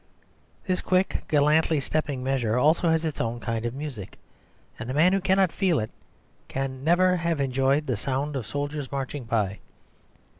This quick, gallantly stepping measure also has its own kind of music, and the man who cannot feel it can never have enjoyed the sound of soldiers marching by.